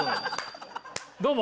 「どうも！